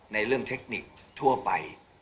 ในเรื่องเทคนิคทั่วไป